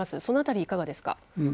その辺りいかがですか？